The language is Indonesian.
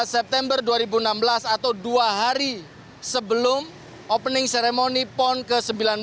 dua belas september dua ribu enam belas atau dua hari sebelum opening ceremony pon ke sembilan belas